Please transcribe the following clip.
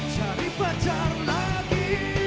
cari pacar lagi